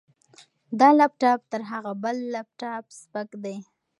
دا لپټاپ تر هغه بل لپټاپ سپک دی.